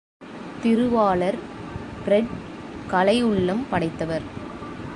திருவாளர் பிரெட் கலை உள்ளம் படைத்தவர்.